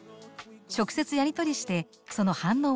直接やり取りしてその反応を探ります。